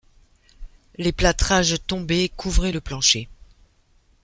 Les plâtrages tombés couvraient le plancher.